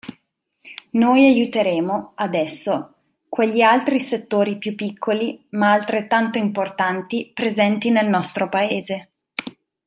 Noi aiuteremo, adesso, quegli altri settori più piccoli ma altrettanto importanti presenti nel nostro paese.